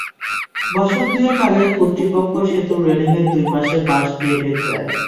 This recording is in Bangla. বছর দুয়েক আগে কর্তৃপক্ষ সেতুর রেলিংয়ের দুই পাশে বাঁশ দিয়ে বেঁধে দেয়।